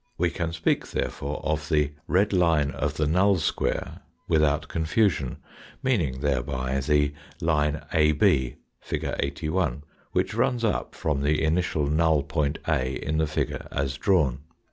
We can speak therefore of the red line of the null square without confusion, meaning thereby the line AB, fig. 81, which runs up from the initial null point A in the figure as drawn.